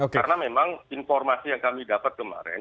karena memang informasi yang kami dapat kemarin